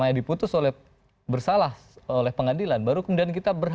apalagi mau revisi tiga puluh hari